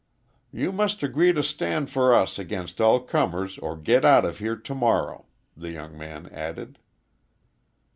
"You must agree to stand for us against all comers or get out of here to morrow," the young man added.